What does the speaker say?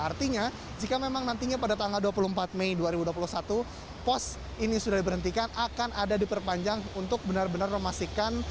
artinya jika memang nantinya pada tanggal dua puluh empat mei dua ribu dua puluh satu pos ini sudah diberhentikan akan ada diperpanjang untuk benar benar memastikan